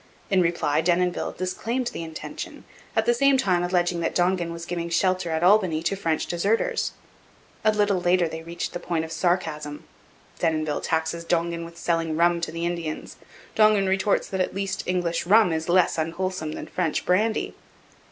In reply Denonville disclaimed the intention, at the same time alleging that Dongan was giving shelter at Albany to French deserters. A little later they reach the point of sarcasm. Denonville taxes Dongan with selling rum to the Indians. Dongan retorts that at least English rum is less unwholesome than French brandy.